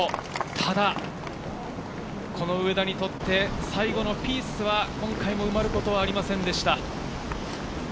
ただ、この上田にとって、最後のピースは今回も埋まることはありませんでした。